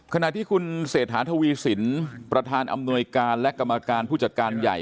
ขณะที่คุณเศรษฐาทวีสินประธานอำนวยการและกรรมการผู้จัดการใหญ่